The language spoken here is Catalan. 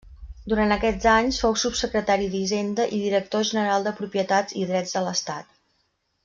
Durant aquests anys fou subsecretari d'Hisenda i Director General de Propietats i Drets de l'Estat.